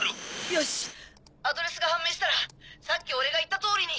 よしアドレスが判明したらさっき俺が言った通りに。